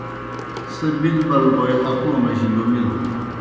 سہ بِل بَل بوئے اکو مجیْ لومِلہ۔